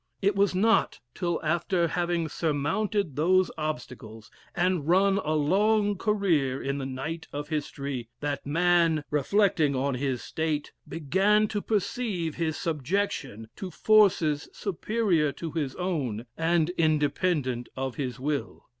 "It was not till after having surmounted those obstacles, and run a long career in the night of history, that man, reflecting on his state, began to perceive his subjection to forces superior to his own and independent of his will.